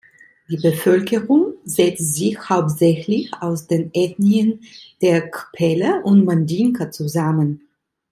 Die Bevölkerung setzt sich hauptsächlich aus den Ethnien der Kpelle und Mandinka zusammen.